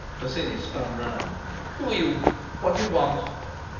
Bosinney spun round. "Who are you? What do you want?"